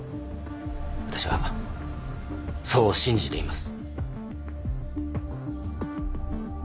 私はそう信じています。